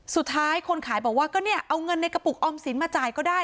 สุดท้ายคนขายบอกว่าก็เนี่ยเอาเงินในกระปุกออมสินมาจ่ายก็ได้